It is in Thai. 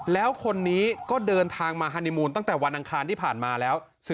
แล้วคนนี้ก็เดินทางมาฮานีมูลตั้งแต่วันอังคารที่ผ่านมาแล้ว